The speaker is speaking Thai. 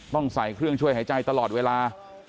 ต้องใส่เครื่องช่วยหายใจตลอดเวลา